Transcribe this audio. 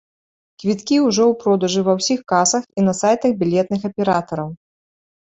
Квіткі ўжо ў продажы ва ўсіх касах і на сайтах білетных аператараў.